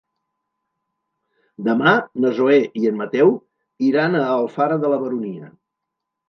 Demà na Zoè i en Mateu iran a Alfara de la Baronia.